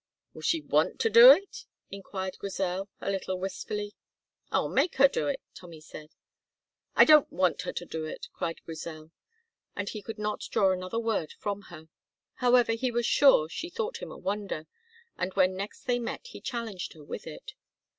"Will she want to do it?" inquired Grizel, a little wistfully. "I'll make her do it," Tommy said. "I don't want her to do it," cried Grizel, and he could not draw another word from her. However he was sure she thought him a wonder, and when next they met he challenged her with it.